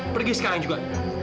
pergi sekarang juga